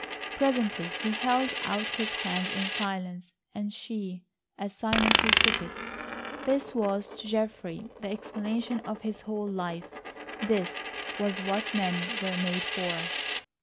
Presently he held out his hand in silence, and she as silently took it. This was to Geoffrey the explanation of his whole life. This was what men were made for.